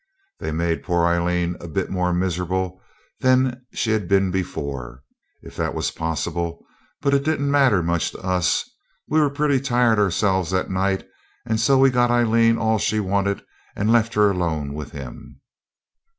They made poor Aileen a bit more miserable than she'd been before, if that was possible; but it didn't matter much to us. We were pretty tired ourselves that night, and so we got Aileen all she wanted, and left her alone with him.